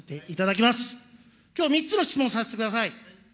きょう、３つの質問させてください。